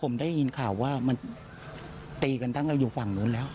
ผมได้ยินข่าวว่ามันตีกันทั้งเราอยู่ฝั่งนู้นแล้ว